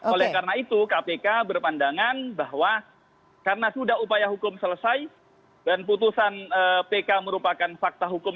oleh karena itu kpk berpandangan bahwa karena sudah upaya hukum selesai dan putusan pk merupakan fakta hukum